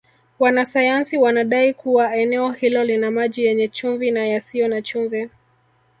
Wanasayansi wanadai kuwa eneo hilo lina maji yenye chumvi na yasiyo na chumvi